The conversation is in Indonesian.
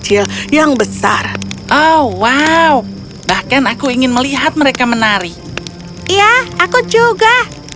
iya aku juga